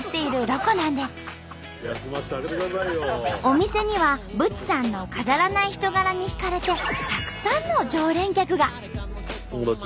お店にはブチさんの飾らない人柄に惹かれてたくさんの常連客が。